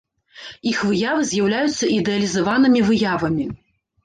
Іх выявы з'яўляюцца ідэалізаванымі выявамі.